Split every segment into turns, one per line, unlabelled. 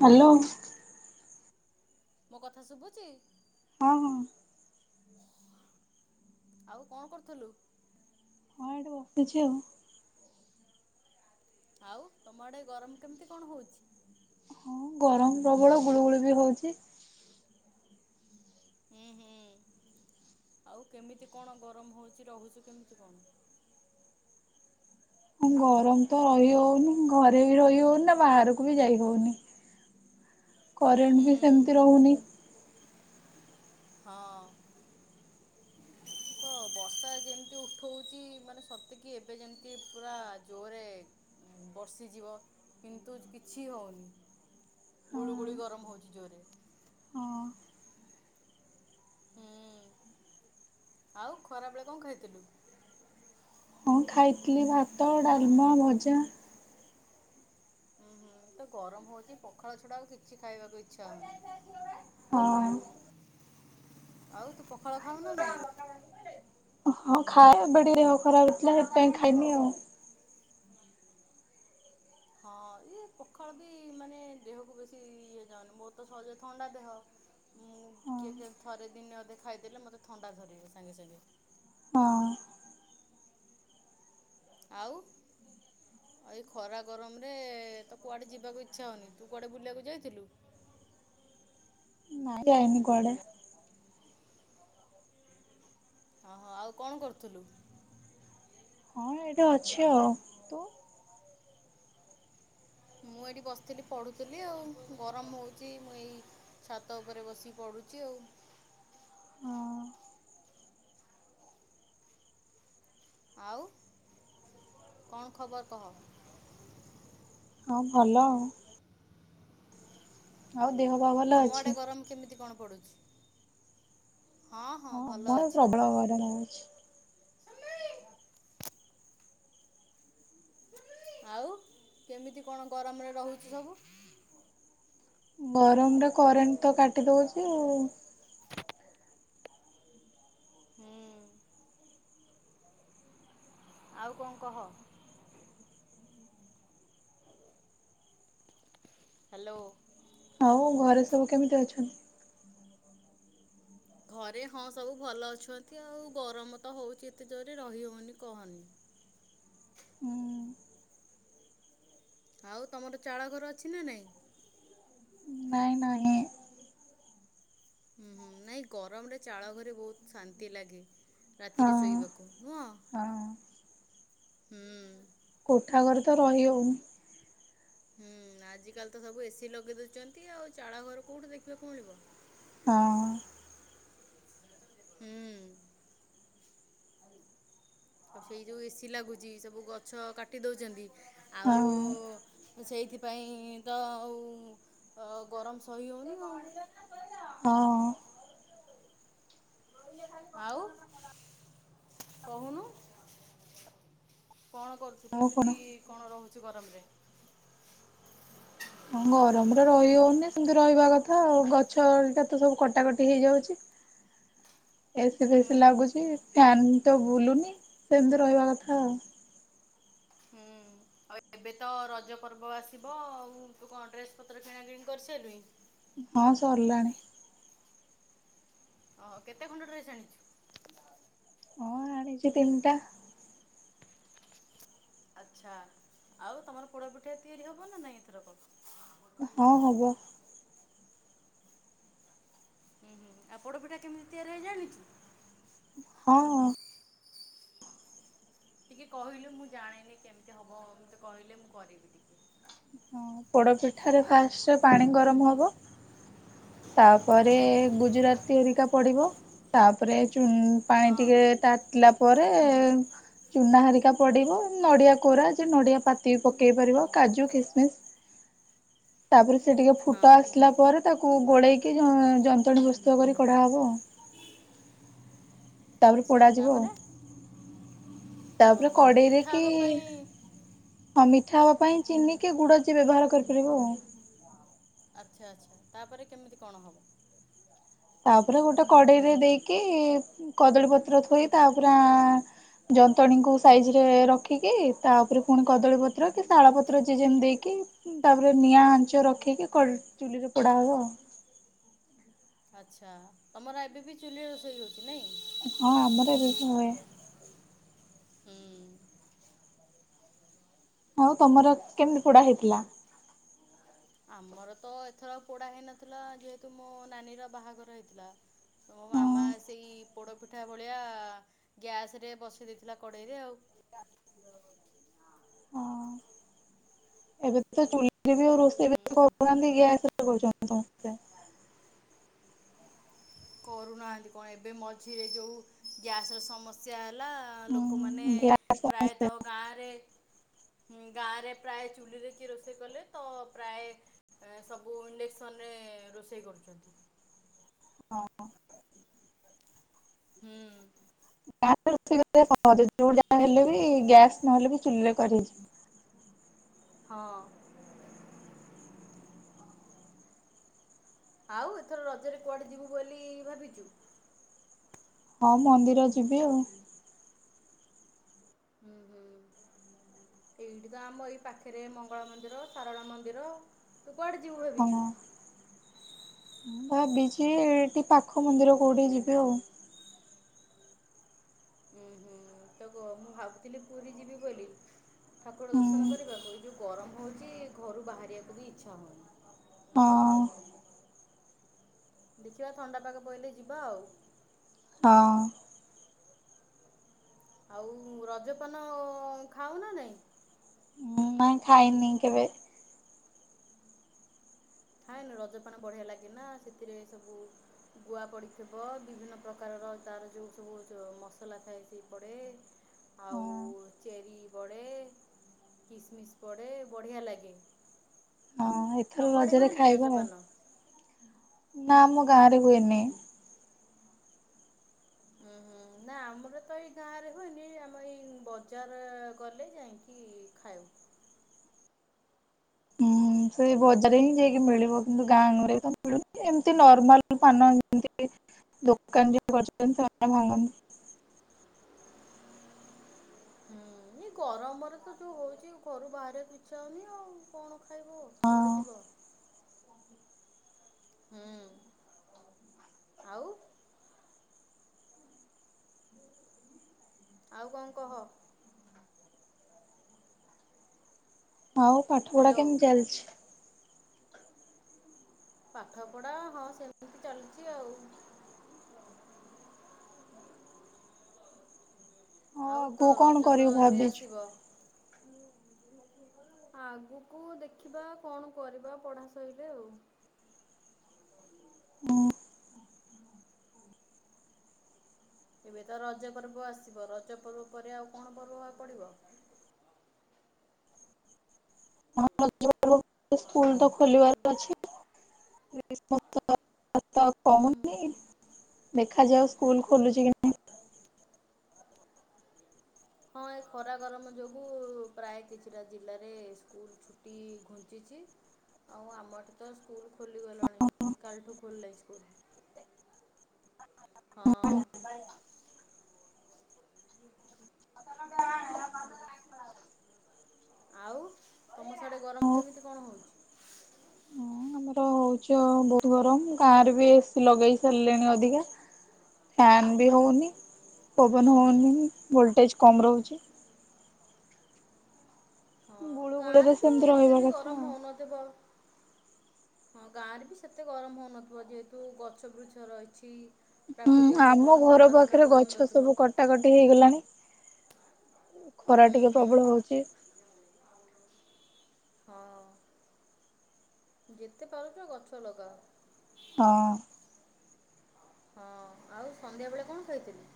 Hello.
ମୋ କଥା ଶୁଭୁଚି?
ହଁ ହଁ।
ଆଉ କଣ କରୁଥୁଲୁ?
ହଁ ଏଇଠି ବସିଛି ଆଉ।
ଆଉ ତମ ଆଡ଼େ ଗରମ କେମିତି କଣ ହୋଉଛି?
ହଁ ଗରମ ପ୍ରବଳ ଗୁଳୁ ଗୁଳି ବି ହୋଉଚି।
ହୁଁ ହୁଁ ଆଉ କେମିତି କଣ ଗରମ ହୋଉଚି ରହୁଚୁ କେମିତି କଣ?
ହଁ ଗରମ ତ ରହି ହୋଉନେହିଁ ଘରେ ବି ରହି ହୋଉନେହିଁ ବାହାରକୁ ବି ଯାଇ ହୋଉନେହିଁ।
[inaudible]
କରେଣ୍ଟେ ବି ସେମିତି ରହୁନେହିଁ।
ହଁ। ବର୍ଷା ଯେମିତି ଉଠୋଉଚି ମାନେ ସତେକି ଏବେ ଯେମିତି ପୁରା ଜୋରେ ବର୍ଷିଯିବ କିନ୍ତୁ କିଛି ହୋଉନେହିଁ।
ହଁ
ଗୁଳୁ ଗୁଳି ଗରମ ହେଉଚି ଜୋରରେ।
ହଁ।
ହୁଁ ଆଉ ଖରାବେଳେ କଣ ଖାଇଥିଲୁ?
ହଁ ଖାଇଥିଲି ଭାତ ଡାଲମା ଭଜା।
ଉୁଁ ହୁଁ ତ ଗରମ ହୋଉଚି ପଖାଳ ଛଡା ଆଉ କିଛି ଖାଇବାକୁ ଇଚ୍ଛା ହୋଉନାହିଁ।
ହଁ।
ଆଉ ତୁ ପଖାଳ ଖାଉନା ନାହିଁ?
ହଁ ଖାଇଏ ଏବେ ଫେରେ ଦେହ ଖରାପ ହେଇଥିଲା ସେଥିପାଇଁ ଖାଇନିନେହିଁ ଆଉ।
ହଁ ଇଏ ପୋଖାଳ ବି ମାନେ ଦେହକୁ ବେଶୀ ଇଏ ଯାଉନି ମୋର ତ ସହଜେ ଥଣ୍ଡା ଦେହ। ମୁଁ
ହଁ।
ଟିକିଏ ଥରେ ଦିନେ ଅଧେ ଖାଇଦେଲେ ମତେ ଥଣ୍ଡା ଧରିବ ସାଙ୍ଗେ ସାଙ୍ଗେ।
ହଁ
ଆଉ। ଆଉ ଏଇ ଖରା ଗରମରେ ତ କୁଆଡ଼େ ଯିବାକୁ ଇଚ୍ଛା ହୋଉନେହିଁ ତୁ କୁଆଡ଼େ ବୁଲିବାକୁ ଯାଇଥିଲୁ?
ନାଇ ଯାଇନି କୁଆଡେ।
ଓ ହୋ ଆଉ କଣ କରୁଥୁଲୁ?
ଏଇଟତ ଅଛି ଆଉ। ତୁ?
ମୁଁ ଏଇଠି ବସିଥିଲି ପଢ଼ୁଥୁଲି ଆଉ ଗରମ ହୋଉଚି ମୁଁ ଏଇ ଛାତ ଉପରେ ବସିିକି ପଡ଼ୁଚି ଆଉ।
ହଁ
ଆଉ କଣ ଖବର କହ?
ହଁ ଭଲ। ଆଉ ଦେହ ପା ଭଲ?
ତମ ଆଡ଼େ
ଅଛି?
ଗରମ କେମିତି କଣ ପଡ଼ୁଚି ହଁ। ହଁ ଭଲ
ଆମ ଆଡେ
ଅଛି।
ପ୍ରବଳ ଗରମ ହୋଉଚି।
ଆଉ କେମିତି କଣ ଗରମରେ ରହୁଚି ସବୁ?
ଗରମରେ କରେଣ୍ଟେ ତ କାଟି ଦୋଉଚି ଆଉ।
ହୁଁ। ଆଉ କଣ କହ? ହାଲୋ।
ଆଉ ଘରେ ସବୁ କେମିତି ଅଛନ୍ତି?
ଘରେ ହଁ ସବୁ ଭଲ ଅଛନ୍ତି ଆଉ ଗରମ ତ ହୋଉଚି ଏତେ ଜୋରରେ ରହିହୋଉନେହିଁ କହନି।
ହୁଁ
ଆଉ ତମର ଚାଳ ଘର ଅଛି ନା ନାଇଁ।
ନାଇଁ ନାହିଁ।
ହୁଁ ହୁଁ ନାଇଁ ଗରମରେ ଚାଳ ଘରେ ବହୁତ୍ ଶାନ୍ତି ଲାଗେ।
ହଁ
ରାତିରେ ଶୋଇବାକୁ ନୁହଁ
ହଁ।
ହୁଁ।
କୋଠା ଘରେ ତ ରହି ହଉନି।
ହୁଁ ଆଜିକାଲି ତ ସବୁ ଏସିି ଲଗେଇ ଦେଉଛନ୍ତି ଆଉ ଚାଳ ଘର କୋଉଠି ଦେଖିବାକୁ ମିଳିବ।
ହଁ।
ହୁଁ। ସେଇ ଯଉ ଏସି ଲାଗୁଚି ସବୁ ଗଛ କାଟି ଦଉଚନ୍ତି।
ହଁ
ଆଉ ସେଇଥିପାଇଁ ତ ଆଉ। ତ ଗରମ ସହି ହଉନି ଆଉ।
ହଁ।
ଆଉ କହୁନୁ କଣ କରୁ ତୁ
ଆଉ କଣ?
କେମିତି କଣ ରହୁଛୁ ଗରମରେ।
ହଁ ଗରମରେ ରହି ହଉନି ସେମତି ରହିବା କଥା ଆଉ ଗଛଟା ତ ସବୁ କଟାକଟି ହେଇଯାଉଛି। ଏସି
ହୁଁ
ଫେସି ଲାଗୁଛି ଫ୍ୟାନ୍ ତ ବୁଲୁନି ସେମିତି ରହିବା କଥା ଆଉ।
ହୁଁ। ଆଉ ଏବେ ତ ରଜ ପର୍ବ ଆସିବ ଆଉ ତୁ କଣ ଡ୍ରେସ ପତ୍ର କିଣା କିିଣି କରି ସାଲୁଣି।
ହଁ ସରିଲାଣି।
ହ କେତେ ଖଣ୍ଡ ଡ୍ରେସ୍ ଆଣିଛୁ।
ଆଣିଚି ତିନିଟା।
ଆଚ୍ଛା ଆଉ ତମର ପୋଡ଼ପିଠା ତିଆରି ହବ ନା ନାଇଁ ଏଥରକ।
ହଁ ହବ।
ହୁଁ ହୁଁ ହୁଁ ଆଉ ପୋଡ଼ପିଠା କେମିତି ତିଆରି ହୁଏ ଜଣିଛୁ।
ହଁ।
ଟିକିଏ କହିଲେ ମୁଁ ଜାଣିନି କେମିତି ହେବ ମତେ କହିଲେ ମୁଁ କରିବି ଟିକିଏ।
ହଁ ପୋଡପିଠାରେ ଫାଷ୍ଟ ପାଣି ଗରମ ହବ। ତାପରେ ଗୁଜୁରାତି ହେରିକା ପଡ଼ିବ ତାପରେ ଚୁ
ହଁ।
ପାଣି ଟିକେ ତାତିଲା ପରେ ଚୁନା ହରିକା ପଡିବ ନଡିଆ କୋରା ଯେ ନଡିଆ ପାତି ପକେଇ ପାରିବ କାଜୁ ଖିସ୍‌ ମିସ୍‌ ତାପରେ ସେ ଟିକେ
ହଁ।
ଫୁଟା ଆସିଲା ପରେ ତାକୁ ଗୋଳେଇକି ଯନ୍ତୁଆଣୀ ଜୋସ୍ ତା ପରେ କଢା ହବ। ତାପରେ
ଆଚ୍ଛା
ପୋଡା ଯିବ।
ତାପରେ
ତାପରେ
ଓହୋ
କଢେଇରେ
ମିଠା
କିି
ହେବା ପାଇଁ
ହଁ ମିଠା ହବା ପାଇଁ ଚିନି କି ଗୁଡ ଯିଏ ବ୍ୟବହାର କରିପାରିବ ଆଉ।
ଆଚ୍ଛା ଆଚ୍ଛା ତାପରେ କେମିତି କଣ ହବ।
ତାପରେ ଗୋଟେ କଡ଼େଇରେ ଦେଇକି କଦଳୀପତ୍ର ଥୋଇ ତାପରେ ଆଁ ଯନ୍ତୁ ଆଣୀଙ୍କୁ ସାଇଜି ରେ ରଖିକି ତା ଉପରେ ପୁଣି କଦଳୀ ପତ୍ର କି ତାଳ ପତ୍ର ଯିଏ ଯେମ୍ ଦେଇକି ତାପରେ ନିଆଁ ଆାଞ୍ଚ ରଖିକି କ ଚୁଲିରେ ପୋଡ଼ା ହବ ଆଉ।
ଆଚ୍ଛା ତମର ଏବେ ବି ଚୁଲିରେ ରୋଷେଇ ହଉଚି ନାଇଁ।
ହଁ ଆମର ଏବେବି ହୁଏ।
ହୁଁ।
ଆଉ ତମର କେମିତି ପୋଡ଼ା ହେଇଥିଲା।
ଆମର ତ ଏଥର ପୋଡ଼ା ହେଇନଥିଲା, ଯେହେତୁ ମୋ ନାନୀର ବାହାଘର ହେଇଥିଲା। ତ ମୋ ମାମା ସେଇ ପୋଡ଼ପିଠା ଭଳିଆ ଗ୍ୟାସ୍ ରେ ବସେଇ ଦେଇଥିଲା କଡ଼େଇରେ ଆଉ।
ଏବେ -ତ -ଚୁଲିରେ -ବି ଆଉ ରୋଷେଇ
ହୁଁ
ବେସି କରୁ ନାହାନ୍ତି ଗ୍ୟାସ୍ ରେ କରୁଛନ୍ତି ସମସ୍ତେ।
କରୁ ନାହାନ୍ତି କଣ ଏବେ ମଝିରେ ଯୋଉ ଗ୍ୟାସ୍ ର ସମ ସ୍ୟା ହେଲା, ଲୋକମାନେ
ଗ୍ୟାସ ସମସ୍ତେ
ପ୍ରାୟତଃ ଗାଁରେ ହୁଁ, ଗାଁ ରେ ପ୍ରାୟ ଚୁଲିରେ କିଏ ରୋଷେଇ କଲେ ତ ପ୍ରାଏ ସବୁ ଇଣ୍ଡେକ୍ସନ୍ ରେ ରୋଷେଇ କରୁଛନ୍ତି।
ଅହଁ।
ହୁଁ।
ଗାଁ ରେ ରୋଷେଇ କରିବା ସହଜ, ଯୋଉଠି ଯାହା ହେଲେ ବି, ଗ୍ୟାସ୍ ନହେଲେ ବି ଚୁଲିରେ କରି ହେଇଜିବ।
ହଁ। ଆଉ ଏଥର ରଜରେ କୁଆଡ଼େ ଯିବୁ ବୋଲି ଭାବିଚୁ?
ହଁ ମନ୍ଦିର ଯିବି ଆଉ।
ହୁଁ, ହୁଁ। ଏଇଠି ତ ଆମ ଏଇ ପାଖରେ ମଙ୍ଗଳା ମନ୍ଦିର, ସାରଳା ମନ୍ଦିର ତୁ କୁଆଡ଼େ ଯିବୁ ଭାବିଛୁ?
ଭାବିଚି ଏଇଠି ପାଖ ମନ୍ଦିର କୋଉଠି ଯିବି ଆଉ।
ହୁଁ, ହୁଁ। ତ କୁହ ମୁଁ ଭାବୁଥିଲି ପୁରୀ ଯିବି ବୋଲି। ଠାକୁର
ହୁଁ।
ଦର୍ଶନ କରିବାକୁ, ଏ ଯୋଉ ଗରମ୍ ହଉଚି ଘରୁ ବାହାରିଆକୁ ବି ଇଚ୍ଛା ହଉନି।
ହଁ।
ଦେଖିବା ଥଣ୍ଡାପାଗ ପଇଲେ ଯିବା ଆଉ।
ହଁ।
ଆଉ ରଜପାନ ଖାଉ ନା ନାଇଁ?
ନାଇଁ ଖାଇନି କେବେ।
ଖାଏନୁ ରଜ ପାନ ବଢ଼ିଆ ଲାଗେ ନା, ସେଥିରେ ସବୁ ଗୁଆ ପଡ଼ିଥିବ, ବିଭିନ୍ନ ପ୍ରକାରର ତାର ଯୋଉ ସବୁ ମସଲା ଥାଏ ସେ ପଡ଼େ।
ହଁ
ଆଉ ଚେରି ପଡ଼େ, କିସମିସ୍ ପଡ଼େ ବଢ଼ିଆ ଲାଗେ।
ହଁ, ଏଥର
ତମ ଆଡ଼େ
ରଜରେ
ହୁଏନି କି ରଜପାନ?
ନାଁ ଆମ ଗାଁ ରେ ହୁଏନି।
ହୁଁ, ହୁଁ। ନାଁ ଆମର ତ ଏଇ ଗାଁରେ ହୁଏନି, ଆମ ଏଇ ବଜାର ଗଲେ ଯାଇଁକି ଖାଇବୁ।
ହୁଁ ସେଇ ବଜାର ହିଁ ଯାଇକି ମିଳିବ, କିନ୍ତୁ ଗାଁ ଗଁରେ ତ ମିଳୁନି ଏମିତି ନର୍ମାଲ ପାନ ଏମତି ଦୋକନ୍ ଯୋଉ କରିଛନ୍ତି ସେମାନେ ଭାଙ୍ଗନ୍ତି।
ହୁଁ, ଏଇ ଗରମରେ ତ ଯୋଉ ହଉଛି ଘରୁ ବାହାରି ଆକୁ ଇଚ୍ଛା ହଉନି ଆଉ କଣ ଖାଇବ
ହଁ
କୁଆଡ଼େ ଯିବ? ହୁଁ, ଆଉ? ଆଉ କଣ କହ?
ଆଉ ପାଠପଢ଼ା
ହ୍ୟାଲୋ।
କେମିତି ଚାଲଚି?
ପାଠପଢ଼ା ହଁ ସେମିତି ଚାଲିଚି ଆଉ।
ହଁ
ଆଉ
ଆଗକୁ
ତ
କଣ
ରଜ ତ
କରିବୁ
ଏବେ
ଭାବିଛୁ?
ଆସିବ। ଆଗୁକୁ ଦେଖିବା କଣ କରିବା ପଢ଼ା ସଇଲେ ଆଉ।
ହୁଁ।
ଏବେ ତ ରଜ ପର୍ବ ଆସିବ। ରଜ ପର୍ବ ପରେ ଆଉ କଣ ପର୍ବ ପଡ଼ିବ?
[unintelligible] ସ୍କୁଲ ତ ଖୋଲିବାର ଅଛି। [inaudible]
ହୁଁ।
କହୁନି। ଦେଖାଯାଉ ସ୍କୁଲ୍ ଖୋଲୁଛି କି ନାହିଁ।
ହଁ ଏ ଖରା ଗରମ ଯୋଗୁଁ ପ୍ରାୟ କିଛିଟା ଜିଲ୍ଲାରେ ସ୍କୁଲ୍ ଛୁଟି ଘୁଞ୍ଚିଛି। ଆଉ ଆମ ଏଠି ତ ସ୍କୁଲ୍ ଖୋଲିଗଲାଣି କାଲିଠୁ ଖୋଲିଲା ସ୍କୁଲ୍। ହଁ। [unintelligible] ଆଉ ତୋମ ସିଆଡ଼େ ଗରମ କେମିତି କଣ ହଉଛି?
ହଁ ଆମର ହଉଛୁ ବହୁତ ଗରମ ଗାଁରେ ବି ଏସି ଲଗେଇ ସାରିଲେଣି ଅଧିକା। ଫ୍ୟନ୍ ବି ହଉନି
ହୁଁ
ପବନ
ହୁଁ
ହଉନି ଭୋଲଟେଜ୍ କମ ରହୁଛି।
ହଁ
ଗୁଳୁ ଗୁଳିରେ
ଗାଁରେ ତ
ସେମିତି
ଏତେ
ରହିବା
ବି
କଥା
ଗରମ
ଆଉ।
ହଉନଥିବ? ହଁ ଗାଁରେ ବି ସେତେ ଗରମ ହଉନଥିବ ଯେହେତୁ ଗଛ ବୃଛ ରହିଛି।
ହୁଁ,
ପ୍ରାକୃତିକ
ଆମ
ପବନ
ଘର
ଥଣ୍ଡା ଥଣ୍ଡା
ପାଖରେ
ପବନ
ଗଛ
ଦଉଥିବ
ସବୁ କଟାକଟି ହେଇଗଲାଣି। ଖରା
ହୁଁ
ଟିକେ
ହୁଁ
ପ୍ରବଳ ହଉଚି।
ହଁ। ଯେତେ ପାରୁଚ ଗଛ ଲଗାଅ।
ହଁ।
ହଁ ଆଉ ସନ୍ଧ୍ୟା ବେଳେ କଣ ଖାଇଥିଲୁ?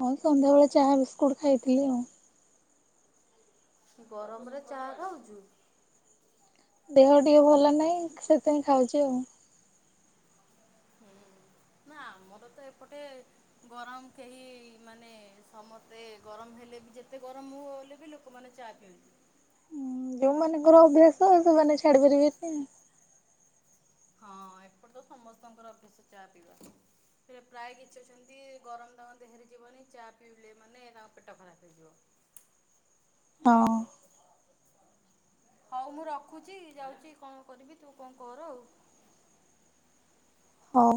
ହଁ ସନ୍ଧ୍ୟାବେଳେ ଚାହା ବିସ୍କୁଟ୍ ଖାଇଥିଲି ଆଉ।
ଗରମରେ ଚା ଖାଉଚୁ?
ଦେହ ଟିକେ ଭଲ ନାହିଁ ସେଥିପାଇଁ ଖାଉଛି ଆଉ।
ନା ଆମର ତ ଏପଟେ ଗରମ କେହି ମାନେ ସମସ୍ତେ ଗରମ ହେଲେ ବି ଯେତେ ଗରମ ହୁ ହେଲେ ବି ଲୋକମାନେ ଚା ପିଅନ୍ତି।
ଯୋଉମାନଙ୍କର ଅଭ୍ୟାସ ସେମାନେ ଛାଡି ପାରିବେ କି?
ହଁ ଏପଟ ତ ସମସ୍ତଙ୍କର ଅଭ୍ୟାସ ଚା ପିଇବା। ସେଟା ପ୍ରାୟ କିଛି ଅଛନ୍ତି ଗରମ ତାଙ୍କ ଦେହରେ ଯିବନି ଚା ପିଇଲେ ମାନେ ତାଙ୍କ ପେଟ ଖରାପ ହେଇଯିବ।
ହଁ।
ହଉ ମୁଁ ରଖୁଛି ଯାଉଚି କଣ କରିବି। ତୁ କଣ କର ଆଉ।
ହଁ।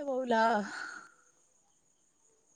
ଏ ବୋଉଲ।